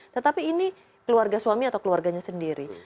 tetapi ini keluarga suami atau keluarganya sendiri